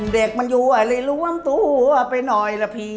เด็กมันอยู่เลยรวมตัวไปหน่อยละพี่